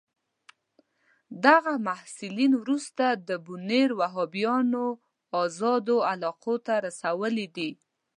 دغه محصلین وروسته د بونیر وهابیانو آزادو علاقو ته رسولي دي.